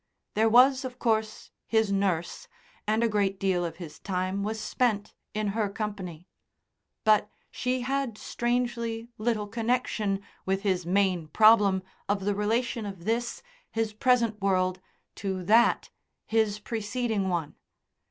There was, of course, his nurse, and a great deal of his time was spent in her company; but she had strangely little connection with his main problem of the relation of this, his present world, to that, his preceding one.